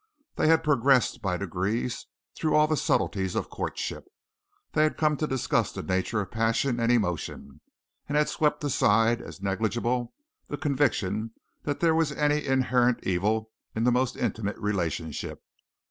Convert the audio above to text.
They had progressed by degrees through all the subtleties of courtship. They had come to discuss the nature of passion and emotion, and had swept aside as negligible the conviction that there was any inherent evil in the most intimate relationship.